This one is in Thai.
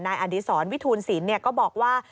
นายอันติศรวิทูลศิลป์เนี่ยก็บอกว่า